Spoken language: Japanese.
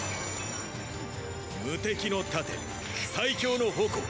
無敵の盾最強の矛。